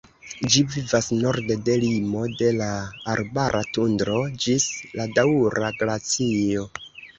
Ĝi vivas norde de limo de la arbara tundro ĝis la daŭra glacio.